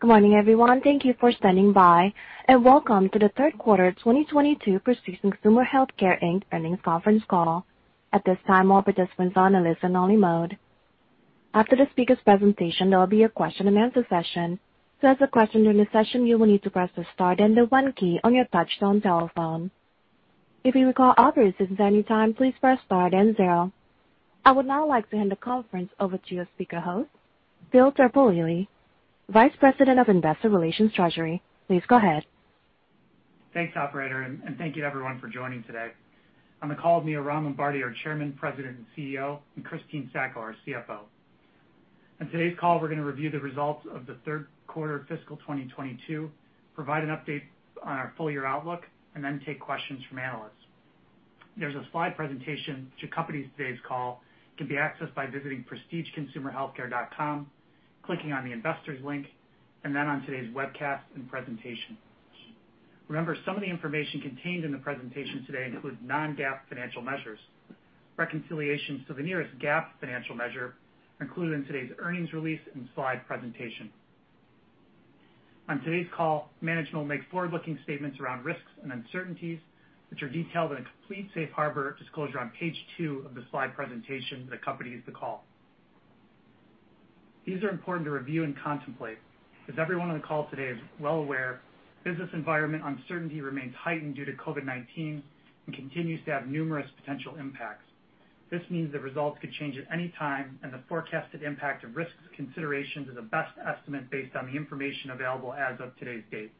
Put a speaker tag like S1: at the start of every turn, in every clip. S1: Good morning, everyone. Thank you for standing by, and welcome to the third quarter 2022 Prestige Consumer Healthcare Inc earnings conference call. At this time, all participants are on a listen-only mode. After the speaker's presentation, there will be a question-and-answer session. To ask a question during the session, you will need to press the star then the one key on your touchtone telephone. If you require operator assistance at any time, please press star then zero. I would now like to hand the conference over to your speaker host, Phil Terpolilli, Vice President of Investor Relations Treasury. Please go ahead.
S2: Thanks, operator, and thank you everyone for joining today. On the call with me, Ron Lombardi, our Chairman, President, and CEO, and Christine Sacco, our CFO. On today's call, we're gonna review the results of the third quarter fiscal 2022, provide an update on our full year outlook, and then take questions from analysts. There's a slide presentation to accompany today's call. It can be accessed by visiting prestigeconsumerhealthcare.com, clicking on the investors link, and then on today's webcast and presentation. Remember, some of the information contained in the presentation today includes non-GAAP financial measures. Reconciliations to the nearest GAAP financial measure are included in today's earnings release and slide presentation. On today's call, management will make forward-looking statements around risks and uncertainties, which are detailed in a complete safe harbor disclosure on page two of the slide presentation that accompanies the call. These are important to review and contemplate. As everyone on the call today is well aware, business environment uncertainty remains heightened due to COVID-19 and continues to have numerous potential impacts. This means the results could change at any time, and the forecasted impact of risks considerations is a best estimate based on the information available as of today's date.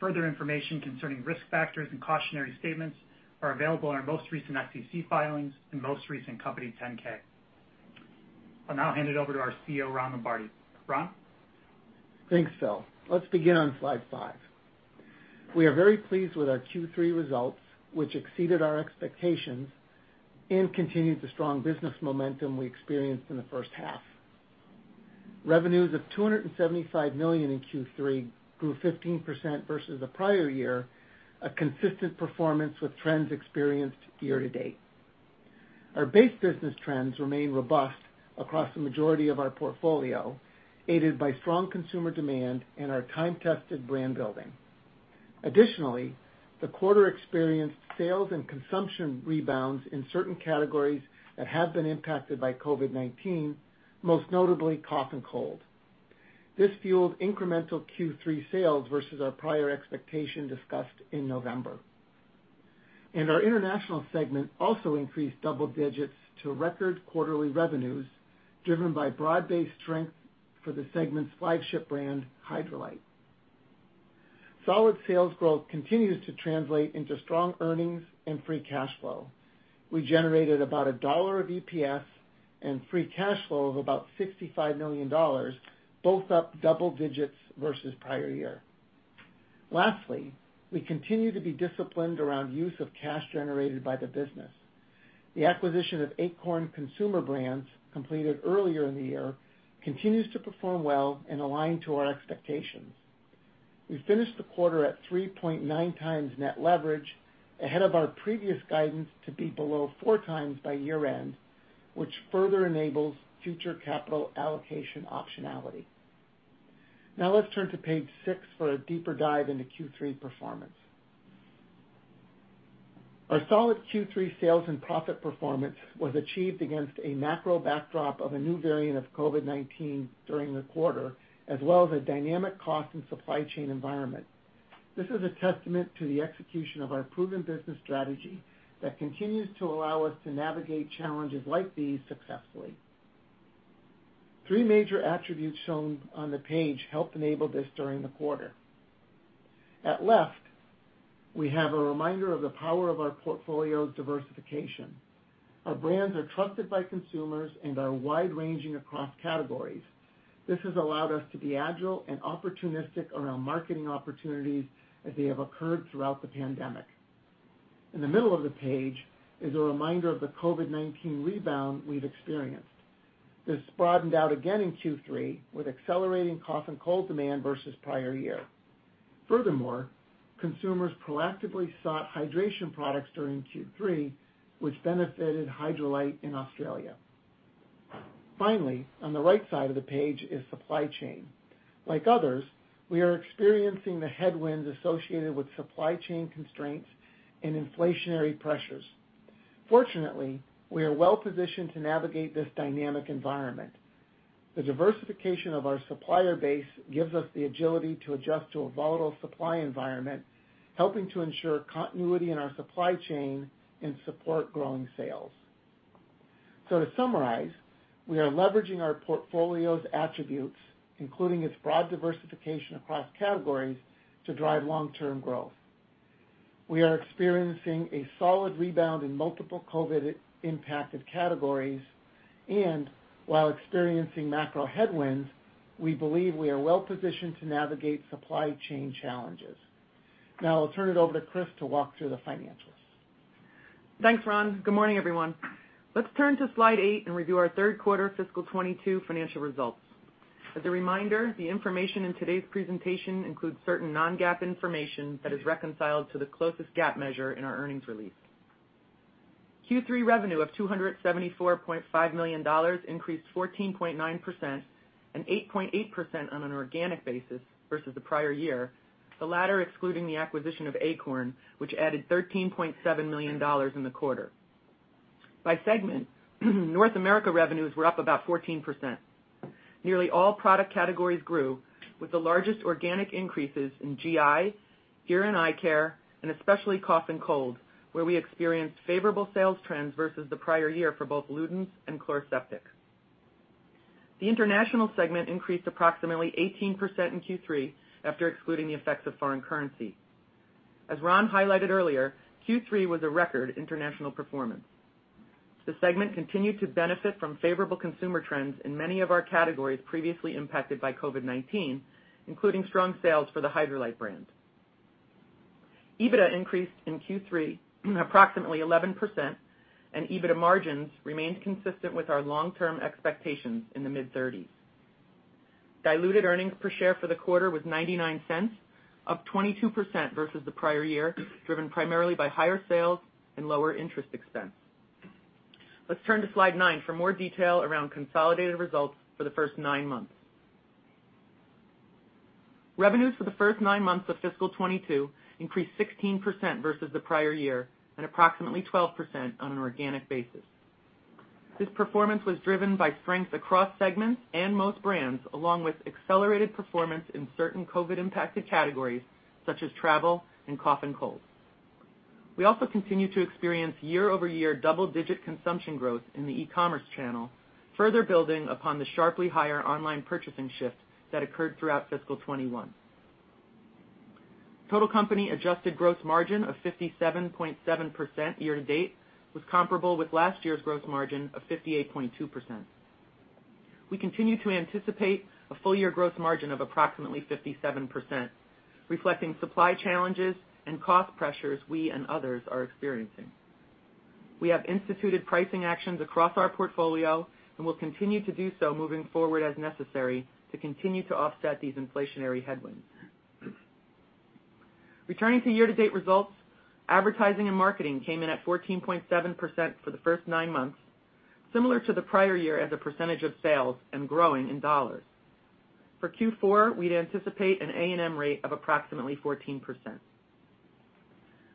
S2: Further information concerning risk factors and cautionary statements are available in our most recent SEC filings and most recent company 10-K. I'll now hand it over to our CEO, Ron Lombardi. Ron?
S3: Thanks, Phil. Let's begin on slide five. We are very pleased with our Q3 results, which exceeded our expectations and continued the strong business momentum we experienced in the first half. Revenues of $275 million in Q3 grew 15% versus the prior year, a consistent performance with trends experienced year-to-date. Our base business trends remain robust across the majority of our portfolio, aided by strong consumer demand and our time-tested brand building. Additionally, the quarter experienced sales and consumption rebounds in certain categories that have been impacted by COVID-19, most notably cough and cold. This fueled incremental Q3 sales versus our prior expectation discussed in November. Our international segment also increased double digits to record quarterly revenues, driven by broad-based strength for the segment's flagship brand, Hydralyte. Solid sales growth continues to translate into strong earnings and free cash flow. We generated about a dollar of EPS and free cash flow of about $65 million, both up double digits versus prior year. Lastly, we continue to be disciplined around use of cash generated by the business. The acquisition of Akorn Consumer Brands, completed earlier in the year, continues to perform well and align to our expectations. We finished the quarter at 3.9x net leverage, ahead of our previous guidance to be below 4x by year-end, which further enables future capital allocation optionality. Now let's turn to page six for a deeper dive into Q3 performance. Our solid Q3 sales and profit performance was achieved against a macro backdrop of a new variant of COVID-19 during the quarter, as well as a dynamic cost and supply chain environment. This is a testament to the execution of our proven business strategy that continues to allow us to navigate challenges like these successfully. Three major attributes shown on the page helped enable this during the quarter. At left, we have a reminder of the power of our portfolio's diversification. Our brands are trusted by consumers and are wide-ranging across categories. This has allowed us to be agile and opportunistic around marketing opportunities as they have occurred throughout the pandemic. In the middle of the page is a reminder of the COVID-19 rebound we've experienced. This broadened out again in Q3 with accelerating cough and cold demand versus prior year. Furthermore, consumers proactively sought hydration products during Q3, which benefited Hydralyte in Australia. Finally, on the right side of the page is supply chain. Like others, we are experiencing the headwinds associated with supply chain constraints and inflationary pressures. Fortunately, we are well-positioned to navigate this dynamic environment. The diversification of our supplier base gives us the agility to adjust to a volatile supply environment, helping to ensure continuity in our supply chain and support growing sales. To summarize, we are leveraging our portfolio's attributes, including its broad diversification across categories, to drive long-term growth. We are experiencing a solid rebound in multiple COVID-impacted categories. While experiencing macro headwinds, we believe we are well-positioned to navigate supply chain challenges. Now I'll turn it over to Chris to walk through the financials.
S4: Thanks, Ron. Good morning, everyone. Let's turn to slide eight and review our third quarter fiscal 2022 financial results. As a reminder, the information in today's presentation includes certain non-GAAP information that is reconciled to the closest GAAP measure in our earnings release. Q3 revenue of $274.5 million increased 14.9% and 8.8% on an organic basis versus the prior year, the latter excluding the acquisition of Akorn, which added $13.7 million in the quarter. By segment, North America revenues were up about 14%. Nearly all product categories grew, with the largest organic increases in GI, ear and eye care, and especially cough and cold, where we experienced favorable sales trends versus the prior year for both Luden's and Chloraseptic. The international segment increased approximately 18% in Q3 after excluding the effects of foreign currency. As Ron highlighted earlier, Q3 was a record international performance. The segment continued to benefit from favorable consumer trends in many of our categories previously impacted by COVID-19, including strong sales for the Hydralyte brand. EBITDA increased in Q3 approximately 11%, and EBITDA margins remained consistent with our long-term expectations in the mid-30s. Diluted earnings per share for the quarter was $0.99, up 22% versus the prior year, driven primarily by higher sales and lower interest expense. Let's turn to slide nine for more detail around consolidated results for the first nine months. Revenues for the first nine months of FY 2022 increased 16% versus the prior year and approximately 12% on an organic basis. This performance was driven by strengths across segments and most brands, along with accelerated performance in certain COVID-impacted categories such as travel and cough and cold. We also continue to experience year-over-year double-digit consumption growth in the e-commerce channel, further building upon the sharply higher online purchasing shift that occurred throughout FY 2021. Total company adjusted gross margin of 57.7% year-to-date was comparable with last year's gross margin of 58.2%. We continue to anticipate a full year gross margin of approximately 57%, reflecting supply challenges and cost pressures we and others are experiencing. We have instituted pricing actions across our portfolio and will continue to do so moving forward as necessary to continue to offset these inflationary headwinds. Returning to year-to-date results, advertising and marketing came in at 14.7% for the first nine months, similar to the prior year as a percentage of sales and growing in dollars. For Q4, we'd anticipate an A&M rate of approximately 14%.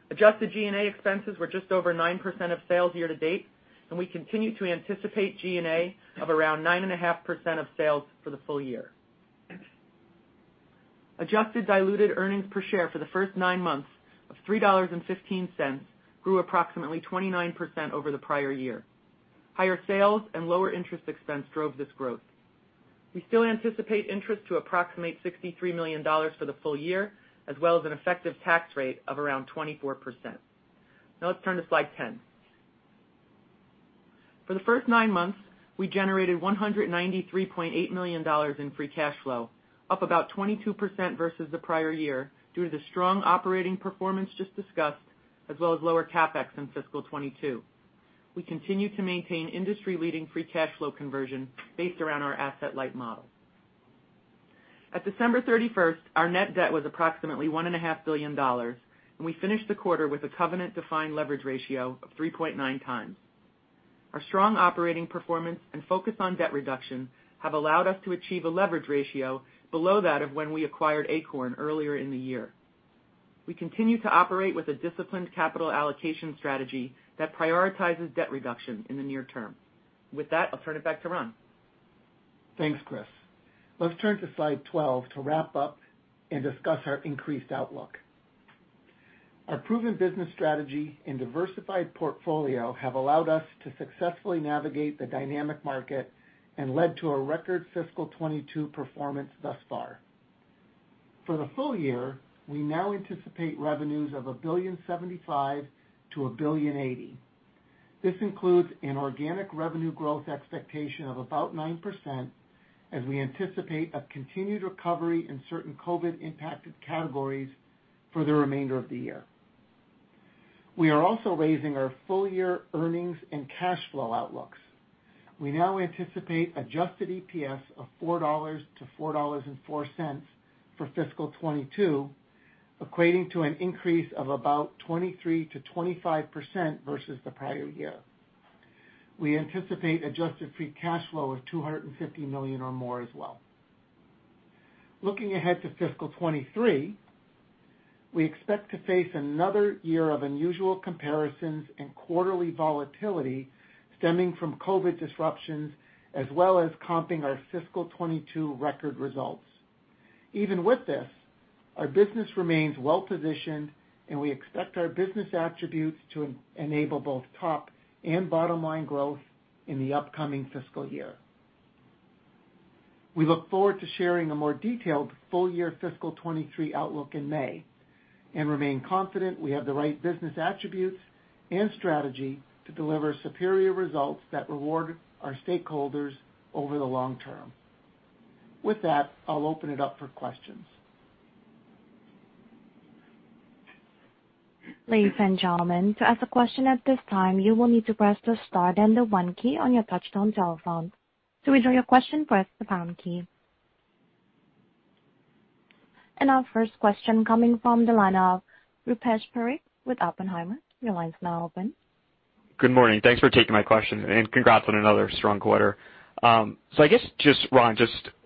S4: Adjusted G&A expenses were just over 9% of sales year-to-date, and we continue to anticipate G&A of around 9.5% of sales for the full year. Adjusted diluted earnings per share for the first nine months of $3.15 grew approximately 29% over the prior year. Higher sales and lower interest expense drove this growth. We still anticipate interest to approximate $63 million for the full year, as well as an effective tax rate of around 24%. Now let's turn to slide 10. For the first nine months, we generated $193.8 million in free cash flow, up about 22% versus the prior year due to the strong operating performance just discussed, as well as lower CapEx in fiscal 2022. We continue to maintain industry-leading free cash flow conversion based around our asset-light model. At December thirty-first, our net debt was approximately $1.5 billion, and we finished the quarter with a covenant-defined leverage ratio of 3.9x. Our strong operating performance and focus on debt reduction have allowed us to achieve a leverage ratio below that of when we acquired Akorn earlier in the year. We continue to operate with a disciplined capital allocation strategy that prioritizes debt reduction in the near term. With that, I'll turn it back to Ron.
S3: Thanks, Chris. Let's turn to slide 12 to wrap up and discuss our increased outlook. Our proven business strategy and diversified portfolio have allowed us to successfully navigate the dynamic market and led to a record fiscal 2022 performance thus far. For the full year, we now anticipate revenues of $1.075 billion-$1.080 billion. This includes an organic revenue growth expectation of about 9%, as we anticipate a continued recovery in certain COVID-impacted categories for the remainder of the year. We are also raising our full year earnings and cash flow outlooks. We now anticipate adjusted EPS of $4.00-$4.04 for fiscal 2022, equating to an increase of about 23%-25% versus the prior year. We anticipate adjusted free cash flow of $250 million or more as well. Looking ahead to fiscal 2023, we expect to face another year of unusual comparisons and quarterly volatility stemming from COVID disruptions as well as comping our fiscal 2022 record results. Even with this, our business remains well-positioned, and we expect our business attributes to enable both top and bottom-line growth in the upcoming fiscal year. We look forward to sharing a more detailed full year fiscal 2023 outlook in May and remain confident we have the right business attributes and strategy to deliver superior results that reward our stakeholders over the long term. With that, I'll open it up for questions.
S1: Ladies and gentlemen, to ask a question at this time, you will need to press the star then the one key on your touchtone telephone. To withdraw your question, press the pound key. Our first question coming from the line of Rupesh Parikh with Oppenheimer. Your line's now open.
S5: Good morning. Thanks for taking my question, and congrats on another strong quarter. I guess just, Ron,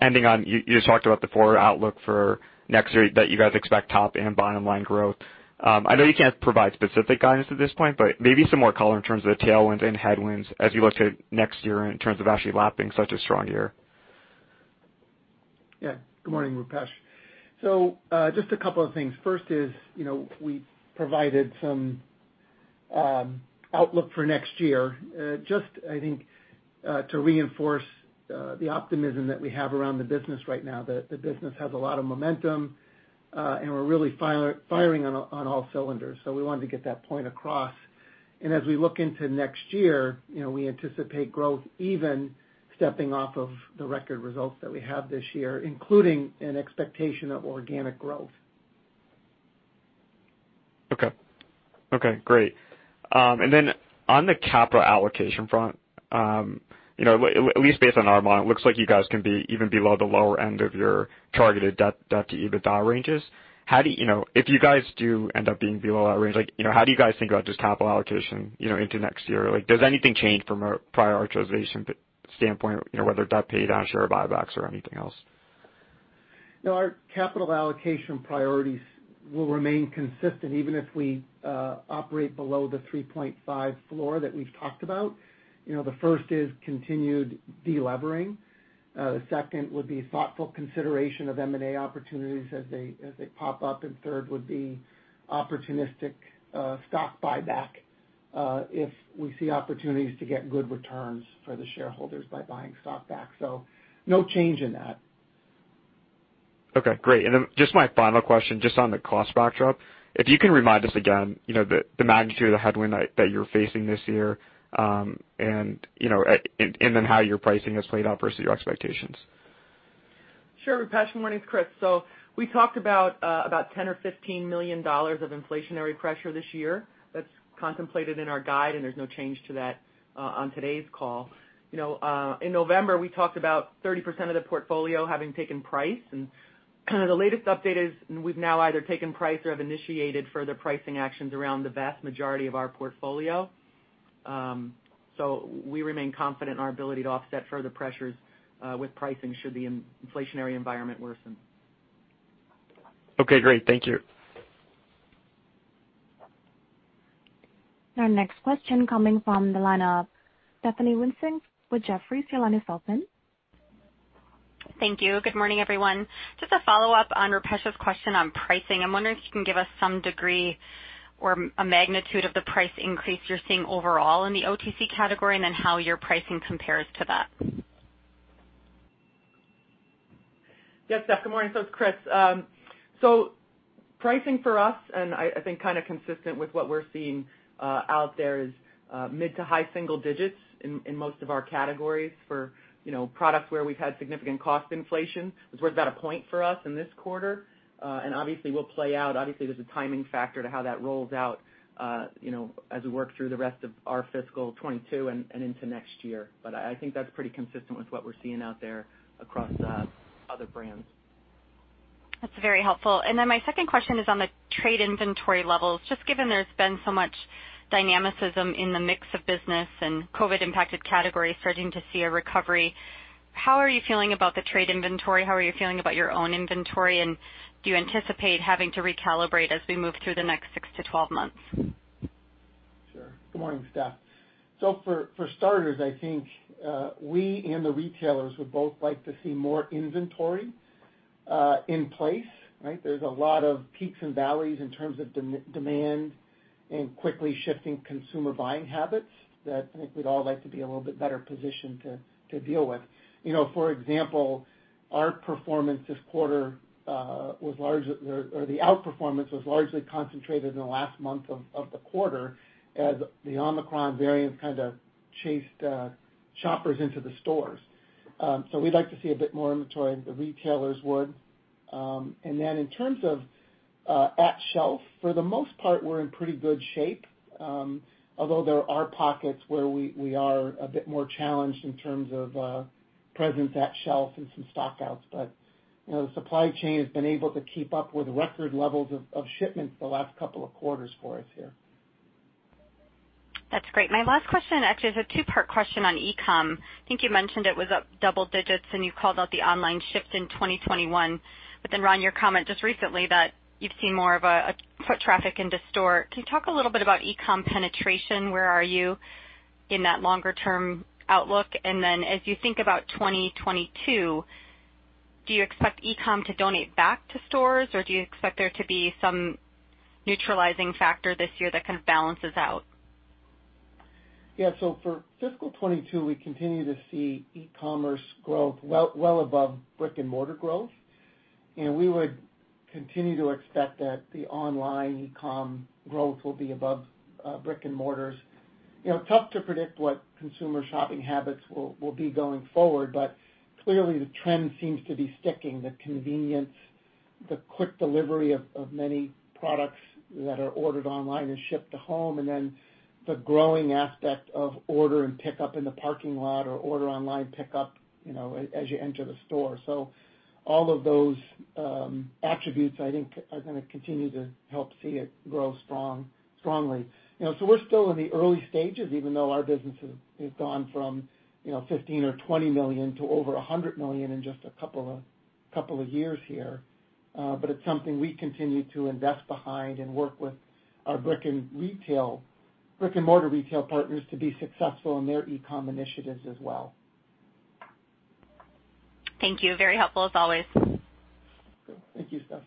S5: ending on you just talked about the forward outlook for next year that you guys expect top and bottom line growth. I know you can't provide specific guidance at this point, but maybe some more color in terms of the tailwinds and headwinds as you look to next year in terms of actually lapping such a strong year.
S3: Yeah. Good morning, Rupesh. Just a couple of things. First is, you know, we provided some outlook for next year, just I think, to reinforce the optimism that we have around the business right now, that the business has a lot of momentum, and we're really firing on all cylinders. We wanted to get that point across. As we look into next year, you know, we anticipate growth even stepping off of the record results that we have this year, including an expectation of organic growth.
S5: Okay. Okay, great. On the capital allocation front, you know, at least based on our model, it looks like you guys can be even below the lower end of your targeted debt to EBITDA ranges. If you guys do end up being below that range, like, you know, how do you guys think about just capital allocation, you know, into next year? Like, does anything change from a prioritization standpoint, you know, whether debt pay down or share buybacks or anything else?
S3: No, our capital allocation priorities will remain consistent even if we operate below the 3.5 floor that we've talked about. You know, the first is continued de-levering. The second would be thoughtful consideration of M&A opportunities as they pop up. Third would be opportunistic stock buyback if we see opportunities to get good returns for the shareholders by buying stock back. No change in that.
S5: Okay, great. Just my final question, just on the cost backdrop. If you can remind us again, you know, the magnitude of the headwind that you're facing this year, and you know, and then how your pricing has played out versus your expectations?
S4: Sure, Rupesh. Morning, it's Chris. We talked about $10 million or $15 million of inflationary pressure this year. That's contemplated in our guide, and there's no change to that on today's call. You know, in November, we talked about 30% of the portfolio having taken price. The latest update is we've now either taken price or have initiated further pricing actions around the vast majority of our portfolio. We remain confident in our ability to offset further pressures with pricing should the inflationary environment worsen.
S5: Okay, great. Thank you.
S1: Our next question coming from the line of Stephanie Wissink with Jefferies. Your line is open.
S6: Thank you. Good morning, everyone. Just a follow-up on Rupesh's question on pricing. I'm wondering if you can give us some degree or a magnitude of the price increase you're seeing overall in the OTC category, and then how your pricing compares to that.
S4: Yes, Steph. Good morning. It's Chris. Pricing for us, and I think kind of consistent with what we're seeing out there is mid to high single digits in most of our categories for products where we've had significant cost inflation. It's worth about a point for us in this quarter. Obviously, we'll play out. There's a timing factor to how that rolls out, you know, as we work through the rest of our fiscal 2022 and into next year. I think that's pretty consistent with what we're seeing out there across other brands.
S6: That's very helpful. My second question is on the trade inventory levels. Just given there's been so much dynamism in the mix of business and COVID impacted categories starting to see a recovery, how are you feeling about the trade inventory? How are you feeling about your own inventory? Do you anticipate having to recalibrate as we move through the next six to 12 months?
S3: Sure. Good morning, Steph. For starters, I think we and the retailers would both like to see more inventory in place, right? There's a lot of peaks and valleys in terms of demand and quickly shifting consumer buying habits that I think we'd all like to be a little bit better positioned to deal with. You know, for example, our performance this quarter, the outperformance was largely concentrated in the last month of the quarter as the Omicron variant kind of chased shoppers into the stores. We'd like to see a bit more inventory, the retailers would. In terms of at shelf, for the most part, we're in pretty good shape. Although there are pockets where we are a bit more challenged in terms of presence at shelf and some stockouts. You know, the supply chain has been able to keep up with record levels of shipments the last couple of quarters for us here.
S6: That's great. My last question actually is a two-part question on e-com. I think you mentioned it was up double digits, and you called out the online shift in 2021. Ron, your comment just recently that you've seen more of a foot traffic into store. Can you talk a little bit about e-com penetration? Where are you in that longer term outlook? As you think about 2022, do you expect e-com to donate back to stores, or do you expect there to be some neutralizing factor this year that kind of balances out?
S3: Yeah. For fiscal 2022, we continue to see e-commerce growth well above brick-and-mortar growth. We would continue to expect that the online e-com growth will be above brick and mortars. You know, tough to predict what consumer shopping habits will be going forward, but clearly, the trend seems to be sticking. The convenience, the quick delivery of many products that are ordered online and shipped to home, and then the growing aspect of order and pickup in the parking lot or order online pickup. You know, as you enter the store. All of those attributes, I think are gonna continue to help see it grow strongly. You know, we're still in the early stages, even though our business has gone from $15 million or $20 million to over $100 million in just a couple of years here. It's something we continue to invest behind and work with our brick and mortar retail partners to be successful in their e-com initiatives as well.
S6: Thank you. Very helpful as always.
S3: Thank you, Steph.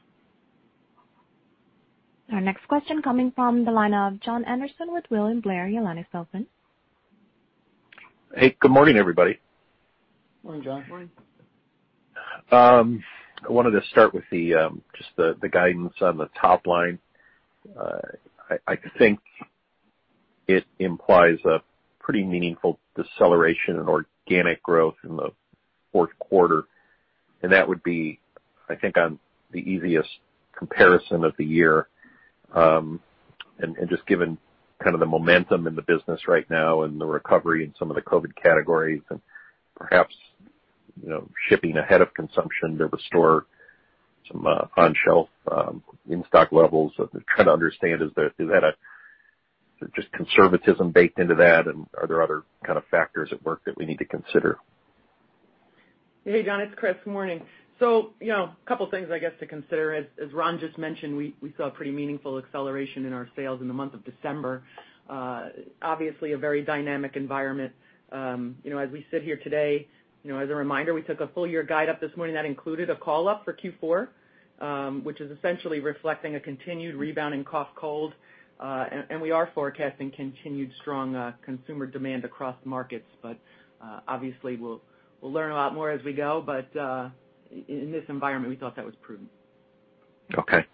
S1: Our next question coming from the line of Jon Andersen with William Blair. Your line is open.
S7: Hey, good morning, everybody.
S3: Morning, Jon.
S4: Morning.
S7: I wanted to start with just the guidance on the top line. I think it implies a pretty meaningful deceleration in organic growth in the fourth quarter, and that would be, I think, on the easiest comparison of the year. Just given kind of the momentum in the business right now and the recovery in some of the COVID categories and perhaps, you know, shipping ahead of consumption to restore some on shelf in-stock levels. I'm trying to understand, is that just conservatism baked into that, and are there other kind of factors at work that we need to consider?
S4: Hey, Jon, it's Chris. Morning. You know, a couple things I guess to consider. As Ron just mentioned, we saw a pretty meaningful acceleration in our sales in the month of December. Obviously a very dynamic environment. You know, as we sit here today, you know, as a reminder, we took a full year guide up this morning that included a call up for Q4, which is essentially reflecting a continued rebound in cough cold, and we are forecasting continued strong consumer demand across markets. Obviously we'll learn a lot more as we go. In this environment, we thought that was prudent.
S7: Okay.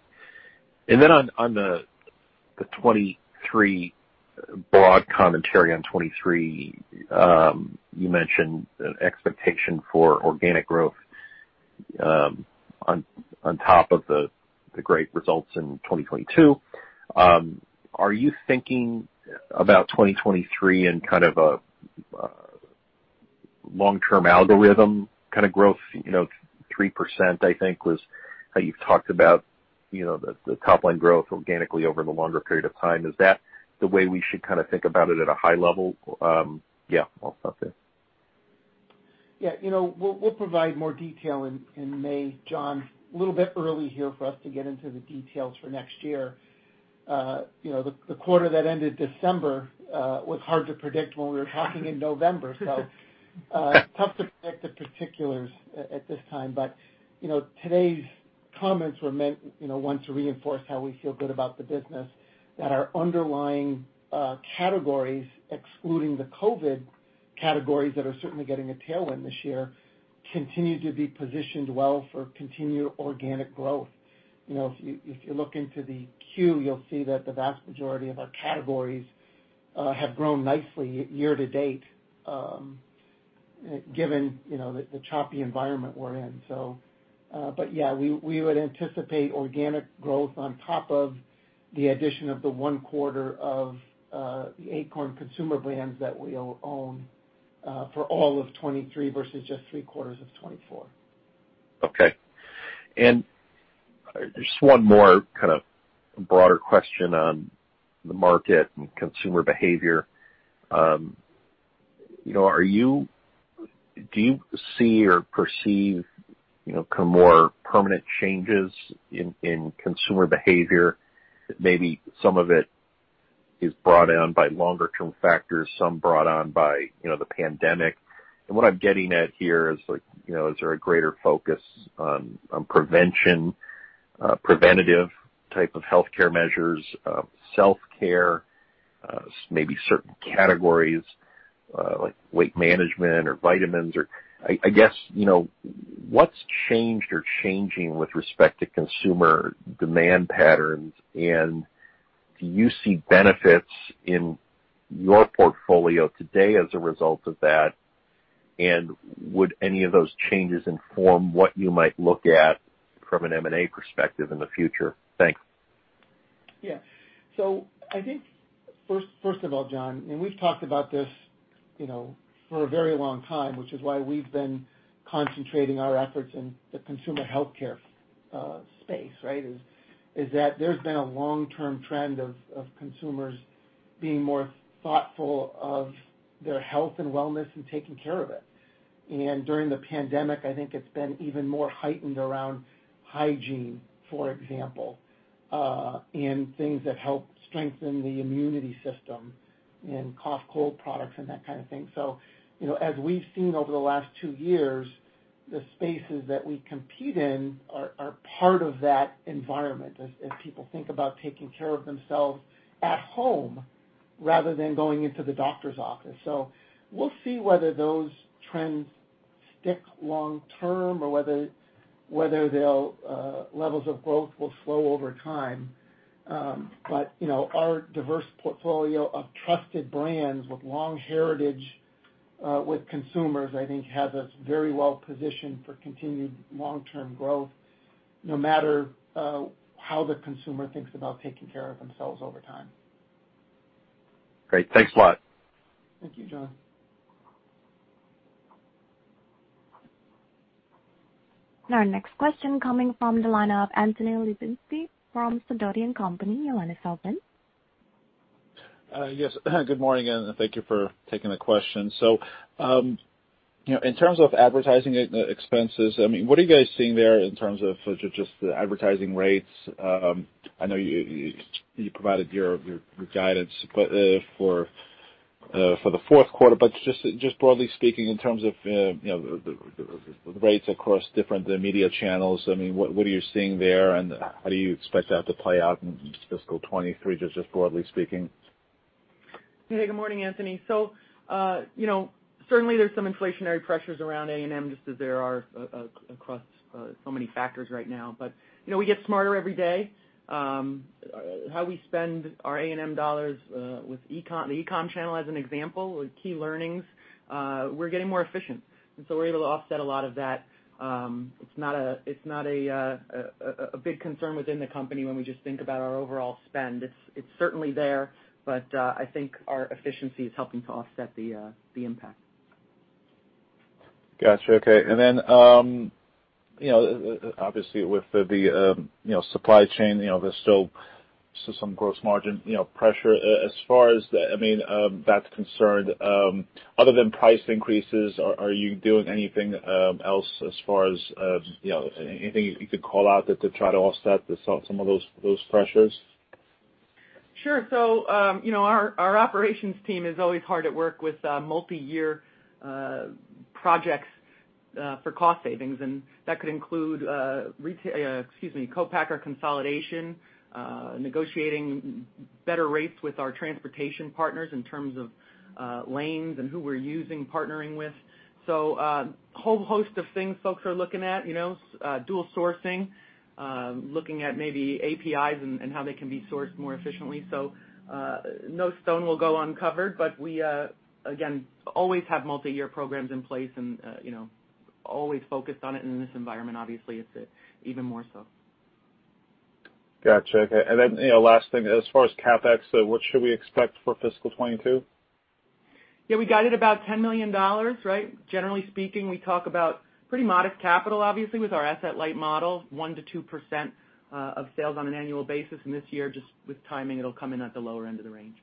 S7: On the 2023 broad commentary on 2023, you mentioned an expectation for organic growth, on top of the great results in 2022. Are you thinking about 2023 in kind of a long-term algorithmic kind of growth? You know, 3% I think was how you've talked about, you know, the top line growth organically over the longer period of time. Is that the way we should kind of think about it at a high level? Yeah, I'll stop there.
S3: Yeah. You know, we'll provide more detail in May, Jon. A little bit early here for us to get into the details for next year. The quarter that ended December was hard to predict when we were talking in November. Tough to predict the particulars at this time. You know, today's comments were meant, you know, one, to reinforce how we feel good about the business, that our underlying categories, excluding the COVID categories that are certainly getting a tailwind this year, continue to be positioned well for continued organic growth. You know, if you look into the queue, you'll see that the vast majority of our categories have grown nicely year-to-date, given, you know, the choppy environment we're in. We would anticipate organic growth on top of the addition of the one-quarter of the Akorn Consumer Brands that we own for all of 2023 versus just three quarters of 2024.
S7: Okay. Just one more kind of broader question on the market and consumer behavior. You know, do you see or perceive, you know, kind of more permanent changes in consumer behavior? Maybe some of it is brought on by longer term factors, some brought on by, you know, the pandemic. What I'm getting at here is like, you know, is there a greater focus on prevention, preventative type of healthcare measures, self-care, maybe certain categories, like weight management or vitamins or I guess, you know, what's changed or changing with respect to consumer demand patterns, and do you see benefits in your portfolio today as a result of that? Would any of those changes inform what you might look at from an M&A perspective in the future? Thanks.
S3: Yeah. I think first of all, Jon, and we've talked about this, you know, for a very long time, which is why we've been concentrating our efforts in the consumer healthcare space, right, is that there's been a long-term trend of consumers being more thoughtful of their health and wellness and taking care of it. During the pandemic, I think it's been even more heightened around hygiene, for example, and things that help strengthen the immunity system and cough, cold products and that kind of thing. You know, as we've seen over the last two years, the spaces that we compete in are part of that environment as people think about taking care of themselves at home rather than going into the doctor's office. We'll see whether those trends stick long term or whether their levels of growth will slow over time. You know, our diverse portfolio of trusted brands with long heritage with consumers, I think, has us very well positioned for continued long-term growth, no matter how the consumer thinks about taking care of themselves over time.
S7: Great. Thanks a lot.
S3: Thank you, Jon.
S1: Our next question coming from the line of Anthony Lebiedzinski from Sidoti & Company. Your line is open.
S8: Yes. Good morning, and thank you for taking the question. You know, in terms of advertising expenses, I mean, what are you guys seeing there in terms of just the advertising rates? I know you provided your guidance, but for the fourth quarter. Just broadly speaking, in terms of you know, the rates across different media channels, I mean, what are you seeing there, and how do you expect that to play out in fiscal 2023, just broadly speaking?
S4: Hey, good morning, Anthony. Certainly there's some inflationary pressures around A&M, just as there are across so many factors right now. We get smarter every day how we spend our A&M dollars with e-com. The e-com channel as an example with key learnings, we're getting more efficient. We're able to offset a lot of that. It's not a big concern within the company when we just think about our overall spend. It's certainly there, but I think our efficiency is helping to offset the impact.
S8: Gotcha. Okay. You know, obviously with the supply chain, you know, there's still some gross margin, you know, pressure. As far as that's concerned, I mean, other than price increases, are you doing anything else as far as you know, anything you could call out that to try to offset some of those pressures?
S4: Sure. Our operations team is always hard at work with multiyear projects for cost savings, and that could include co-packer consolidation, negotiating better rates with our transportation partners in terms of lanes and who we're partnering with. Whole host of things folks are looking at, you know, dual sourcing, looking at maybe APIs and how they can be sourced more efficiently. No stone will go uncovered. We again always have multiyear programs in place and you know always focused on it in this environment, obviously it's even more so.
S8: Gotcha. Okay. You know, last thing, as far as CapEx, what should we expect for fiscal 2022?
S4: Yeah, we guided about $10 million, right? Generally speaking, we talk about pretty modest capital, obviously, with our asset light model, 1%-2% of sales on an annual basis. This year, just with timing, it'll come in at the lower end of the range.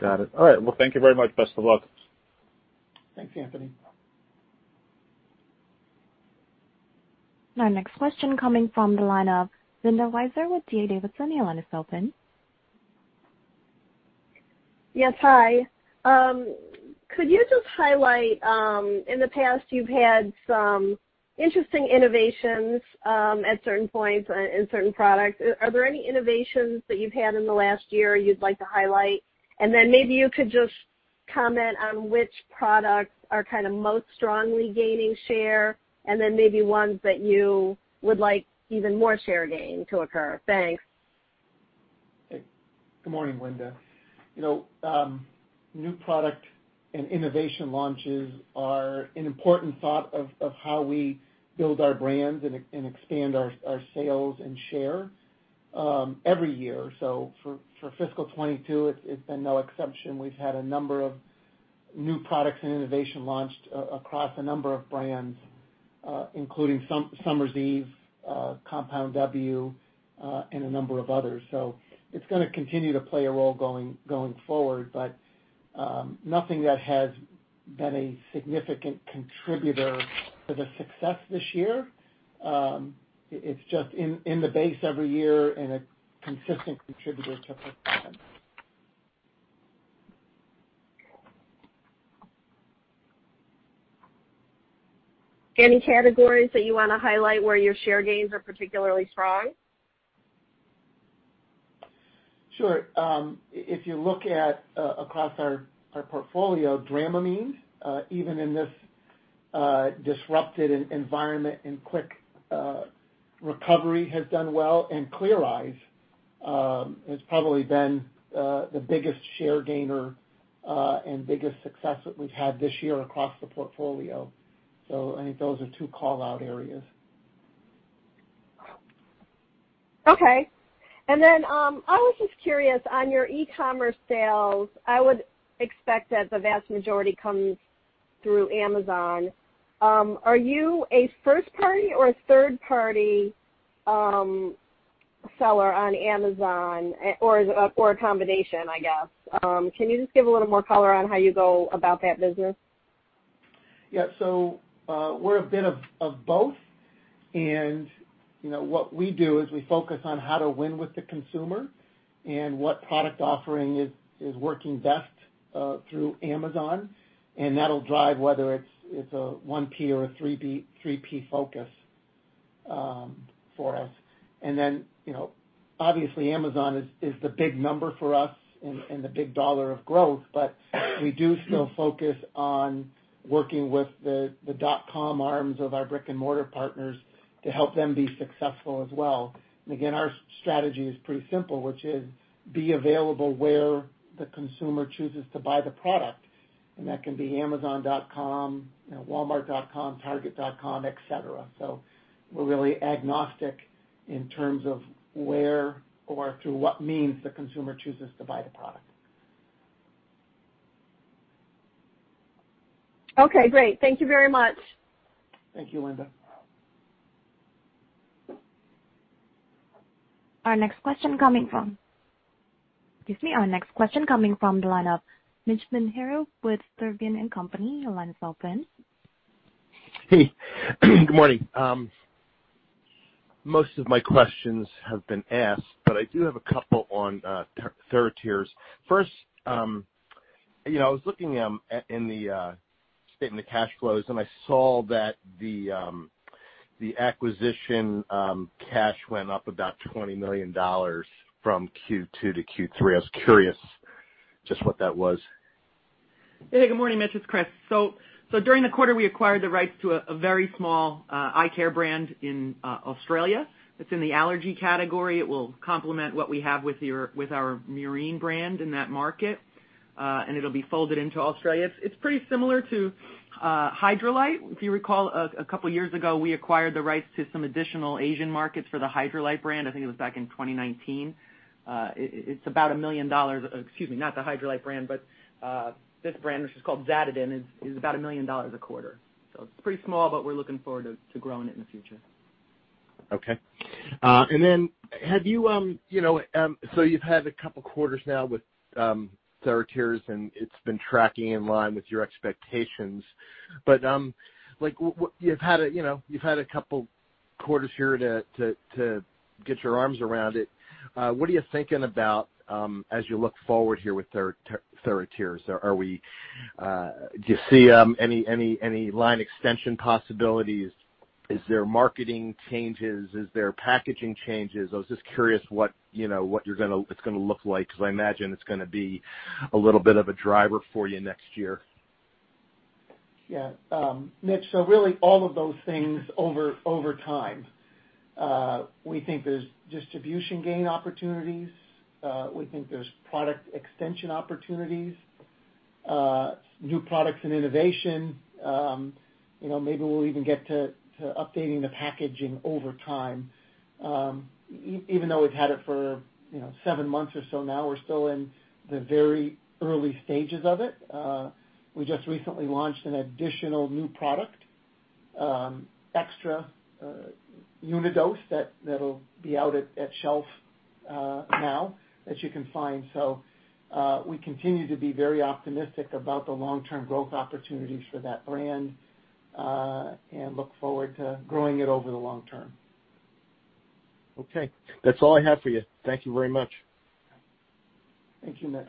S8: Got it. All right. Well, thank you very much. Best of luck.
S3: Thanks, Anthony.
S1: Our next question coming from the line of Linda Weiser with D.A. Davidson. Your line is open.
S9: Yes. Hi. Could you just highlight in the past you've had some interesting innovations at certain points in certain products. Are there any innovations that you've had in the last year you'd like to highlight? Then maybe you could just comment on which products are kinda most strongly gaining share, and then maybe ones that you would like even more share gain to occur. Thanks.
S3: Good morning, Linda. You know, new product and innovation launches are an important part of how we build our brands and expand our sales and share every year. For fiscal 2022, it's been no exception. We've had a number of new products and innovation launched across a number of brands, including Summer's Eve, Compound W, and a number of others. It's gonna continue to play a role going forward, but nothing that has been a significant contributor to the success this year. It's just in the base every year and a consistent contributor.
S10: Any categories that you wanna highlight where your share gains are particularly strong?
S3: Sure. If you look across our portfolio, Dramamine even in this disrupted environment and quick recovery has done well. Clear Eyes has probably been the biggest share gainer and biggest success that we've had this year across the portfolio. I think those are two call-out areas.
S10: Okay. I was just curious, on your e-commerce sales. I would expect that the vast majority comes through Amazon. Are you a first-party or a third-party seller on Amazon, or a combination, I guess. Can you just give a little more color on how you go about that business?
S3: Yeah. We're a bit of both. You know, what we do is we focus on how to win with the consumer and what product offering is working best through Amazon. That'll drive whether it's a 1P or a 3P focus for us. You know, obviously Amazon is the big number for us and the big dollar of growth, but we do still focus on working with the dotcom arms of our brick-and-mortar partners to help them be successful as well. Again, our strategy is pretty simple, which is be available where the consumer chooses to buy the product. That can be amazon.com, you know, walmart.com, target.com, et cetera. We're really agnostic in terms of where or through what means the consumer chooses to buy the product.
S9: Okay, great. Thank you very much.
S3: Thank you, Linda.
S1: Our next question coming from the line of Mitch Pinheiro with Sturdivant & Co. Your line is open.
S11: Hey. Good morning. Most of my questions have been asked, but I do have a couple on TheraTears. First, you know, I was looking at in the statement of cash flows, and I saw that the acquisition cash went up about $20 million from Q2 to Q3. I was curious just what that was.
S4: Hey, good morning, Mitch. It's Chris. During the quarter, we acquired the rights to a very small eye care brand in Australia. It's in the allergy category. It will complement what we have with our Murine brand in that market, and it'll be folded into Australia. It's pretty similar to Hydralyte. If you recall, a couple years ago, we acquired the rights to some additional Asian markets for the Hydralyte brand. I think it was back in 2019. It's about $1 million. Excuse me, not the Hydralyte brand, but this brand, which is called Zaditen, is about $1 million a quarter. It's pretty small, but we're looking forward to growing it in the future.
S11: Okay. Have you know, had a couple quarters now with TheraTears, and it's been tracking in line with your expectations. You've had a couple quarters here to get your arms around it. What are you thinking about as you look forward here with TheraTears? Do you see any line extension possibilities? Is there marketing changes? Is there packaging changes? I was just curious what, you know, what it's gonna look like, 'cause I imagine it's gonna be a little bit of a driver for you next year.
S3: Yeah. Mitch, really all of those things over time. We think there's distribution gain opportunities. We think there's product extension opportunities, new products and innovation. You know, maybe we'll even get to updating the packaging over time. Even though we've had it for, you know, seven months or so now, we're still in the very early stages of it. We just recently launched an additional new product, extra unidose that'll be out at shelf now, that you can find. We continue to be very optimistic about the long-term growth opportunities for that brand, and look forward to growing it over the long term.
S11: Okay. That's all I have for you. Thank you very much.
S3: Thank you, Mitch.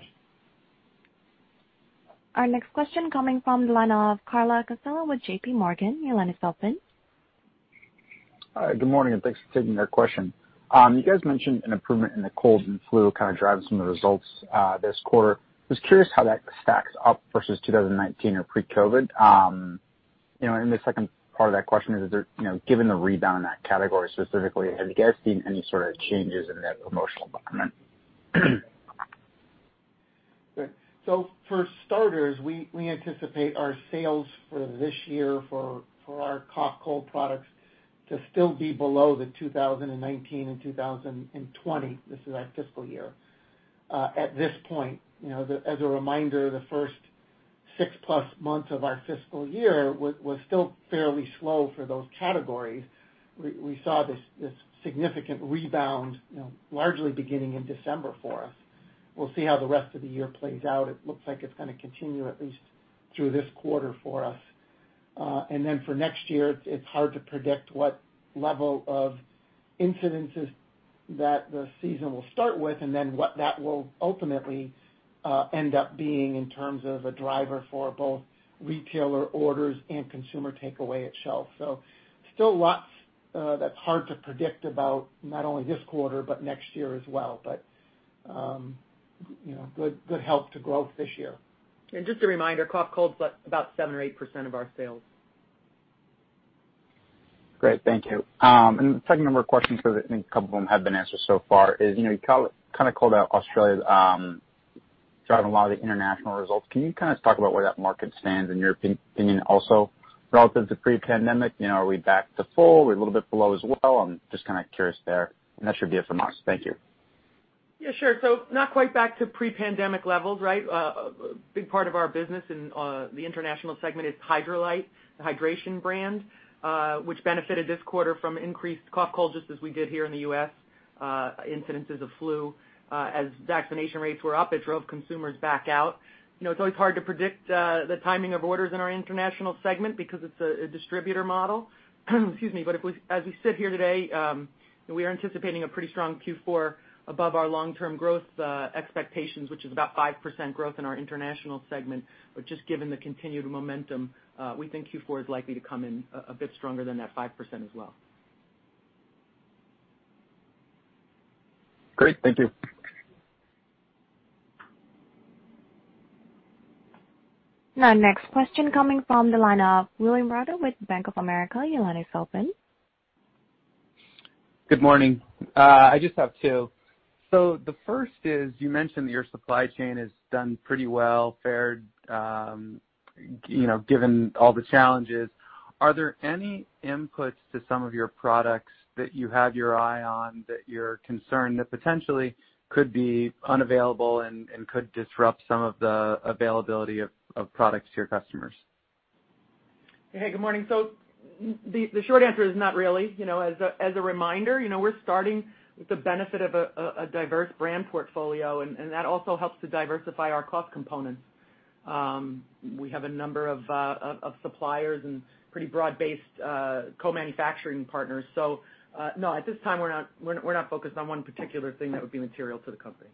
S1: Our next question coming from the line of Carla Casella with JPMorgan. Your line is open.
S12: Hi, good morning, and thanks for taking their question. You guys mentioned an improvement in the cold and flu kind of driving some of the results this quarter. Just curious how that stacks up versus 2019 or pre-COVID. You know, the second part of that question is there, you know, given the rebound in that category specifically, have you guys seen any sort of changes in that promotional environment?
S3: For starters, we anticipate our sales for this year for our cough cold products to still be below the 2019 and 2020. This is our fiscal year. At this point, you know, as a reminder, the first six-plus months of our fiscal year was still fairly slow for those categories. We saw this significant rebound, you know, largely beginning in December for us. We'll see how the rest of the year plays out. It looks like it's gonna continue at least through this quarter for us. For next year, it's hard to predict what level of incidence that the season will start with and then what that will ultimately end up being in terms of a driver for both retailer orders and consumer takeaway at shelf. Still lots that's hard to predict about not only this quarter, but next year as well. You know, good help to growth this year.
S4: Just a reminder, cough, cold is about 7% or 8% of our sales.
S12: Great. Thank you, and the second number of questions, because I think a couple of them have been answered so far, is, you know, you kind of called out Australia driving a lot of the international results. Can you kind of talk about where that market stands in your opinion, also relative to pre-pandemic? You know, are we back to full? Are we a little bit below as well? I'm just kind of curious there. That should be it for me. Thank you.
S4: Yeah, sure. Not quite back to pre-pandemic levels, right? A big part of our business in the international segment is Hydralyte, the hydration brand, which benefited this quarter from increased cough, cold, just as we did here in the U.S., incidences of flu. As vaccination rates were up, it drove consumers back out. You know, it's always hard to predict the timing of orders in our international segment because it's a distributor model. Excuse me. As we sit here today, we are anticipating a pretty strong Q4 above our long-term growth expectations, which is about 5% growth in our international segment. Just given the continued momentum, we think Q4 is likely to come in a bit stronger than that 5% as well.
S12: Great. Thank you.
S1: Our next question coming from the line of William Reuter with Bank of America. Your line is open.
S13: Good morning. I just have two. The first is, you mentioned that your supply chain has done pretty well, given all the challenges. Are there any inputs to some of your products that you have your eye on that you're concerned that potentially could be unavailable and could disrupt some of the availability of products to your customers?
S4: Hey, good morning. The short answer is not really. You know, as a reminder, you know, we're starting with the benefit of a diverse brand portfolio, and that also helps to diversify our cost components. We have a number of suppliers and pretty broad-based co-manufacturing partners. No, at this time, we're not focused on one particular thing that would be material to the company.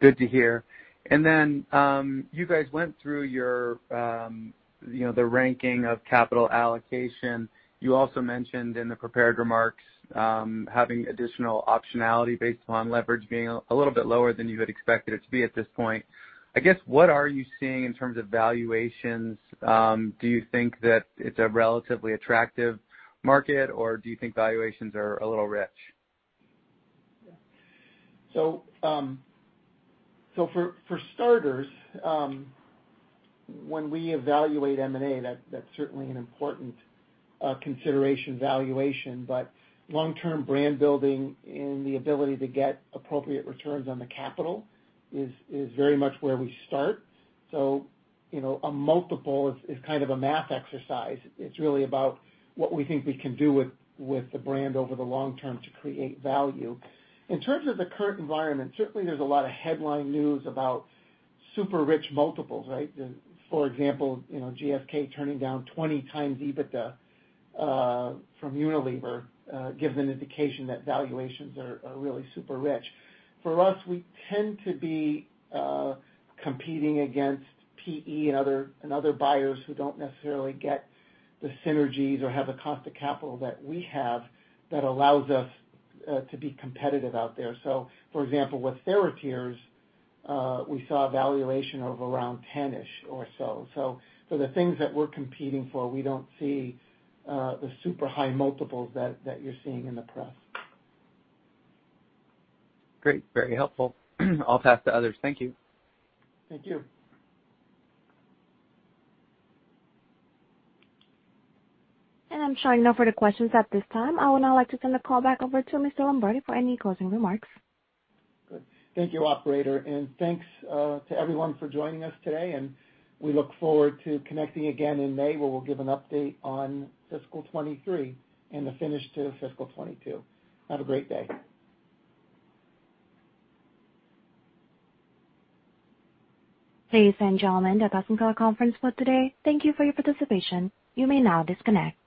S13: Good to hear. Then, you guys went through your, you know, the ranking of capital allocation. You also mentioned in the prepared remarks, having additional optionality based upon leverage being a little bit lower than you had expected it to be at this point. I guess, what are you seeing in terms of valuations? Do you think that it's a relatively attractive market, or do you think valuations are a little rich?
S3: For starters, when we evaluate M&A, that's certainly an important consideration, valuation. Long-term brand building and the ability to get appropriate returns on the capital is very much where we start. You know, a multiple is kind of a math exercise. It's really about what we think we can do with the brand over the long term to create value. In terms of the current environment, certainly there's a lot of headline news about super rich multiples, right? For example, you know, GSK turning down 20x EBITDA from Unilever gives an indication that valuations are really super rich. For us, we tend to be competing against PE and other buyers who don't necessarily get the synergies or have the cost of capital that we have that allows us to be competitive out there. For example, with TheraTears, we saw a valuation of around 10-ish or so. For the things that we're competing for, we don't see the super high multiples that you're seeing in the press.
S13: Great. Very helpful. I'll pass to others. Thank you.
S3: Thank you.
S1: I'm showing no further questions at this time. I would now like to send the call back over to Mr. Lombardi for any closing remarks.
S3: Good. Thank you, operator, and thanks to everyone for joining us today, and we look forward to connecting again in May, where we'll give an update on fiscal 2023 and the finish to fiscal 2022. Have a great day.
S1: Ladies and gentlemen, that does conclude our conference call today. Thank you for your participation. You may now disconnect.